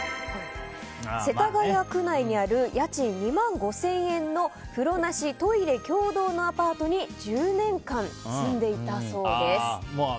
世田谷区内にある家賃２万５０００円の風呂なしトイレ共同のアパートに１０年間住んでいたそうです。